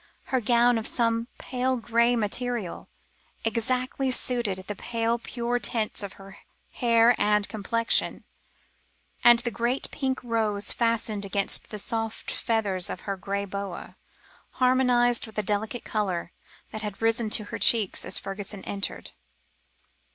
Her gown of some pale grey material, exactly suited the pale pure tints of her hair and complexion, and the great pink rose fastened against the soft feathers of her grey boa, harmonised with the delicate colour that had risen to her cheeks, as Fergusson entered.